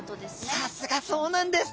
さすがそうなんです！